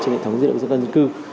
trên hệ thống dữ liệu dân cư